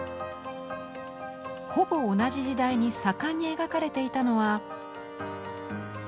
ほぼ同じ時代に盛んに描かれていたのは。